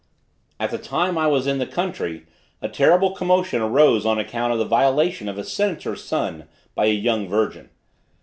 At the time I was in the country a terrible commotion arose on account of the violation of a senator's son by a young virgin.